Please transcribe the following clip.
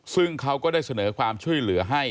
ซึ่งเขาก็ได้เสนอความช่วยเหลือให้